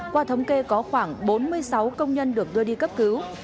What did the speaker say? qua thống kê có khoảng bốn mươi sáu công nhân được đưa đi cấp cứu